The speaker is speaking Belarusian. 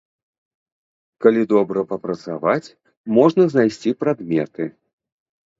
Калі добра папрацаваць, можна знайсці прадметы.